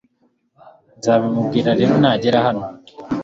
Nzabimubwira rero nagera hano